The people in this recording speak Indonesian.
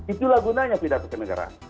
itulah gunanya pidato kendegaraan